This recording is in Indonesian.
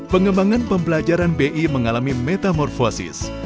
pengembangan pembelajaran b i mengalami metamorfosis